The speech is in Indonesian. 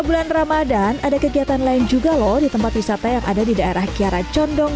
di bulan ramadhan ada kegiatan lain juga loh di tempat wisata yang ada di daerah kiara condong